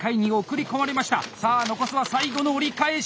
さあ残すは最後の折り返し！